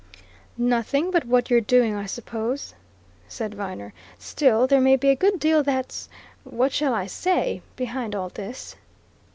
"Nothing but what you're doing, I suppose," said Viner. "Still there may be a good deal that's what shall I say? behind all this."